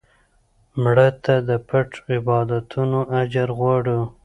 مړه ته د پټ عبادتونو اجر غواړو